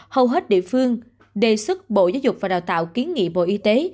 hầu hết địa phương đề xuất bộ giáo dục và đào tạo kiến nghị bộ y tế